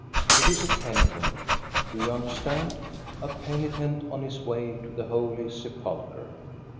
It is a penitent, do you understand? — a penitent on his way to the holy sepulchre.